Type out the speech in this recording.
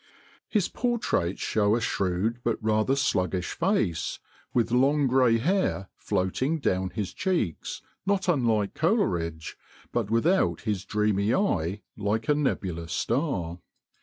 His portraits show a shrewd but rather sluggish face, with long gray hair floating down his cheeks, not unlike Coleridge, but without his dreamy eye like a nebulous star.